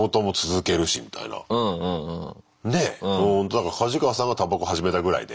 だからカジカワさんがタバコ始めたぐらいで。